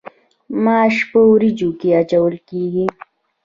ماش په وریجو کې اچول کیږي.